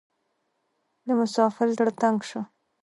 د مسافر زړه تنګ شو .